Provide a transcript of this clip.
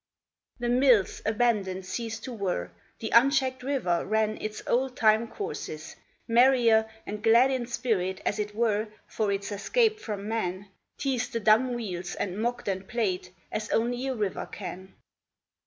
The mills, abandoned, ceased to whir ; The unchecked river ran Its old time courses, merrier, And glad in spirit, as it were, For its escape from man, Teased the dumb wheels, and mocked and played As only a river can.